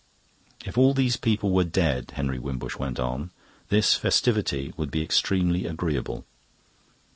"If all these people were dead," Henry Wimbush went on, "this festivity would be extremely agreeable.